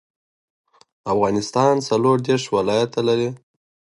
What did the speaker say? لیکوالی د تخلیق، ابتکار او نوو مفکورو د خپرولو یوه غوره لاره ده.